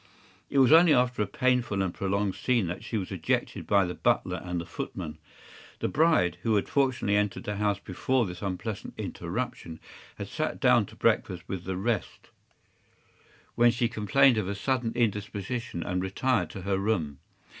It was only after a painful and prolonged scene that she was ejected by the butler and the footman. The bride, who had fortunately entered the house before this unpleasant interruption, had sat down to breakfast with the rest, when she complained of a sudden indisposition, and retired to her room.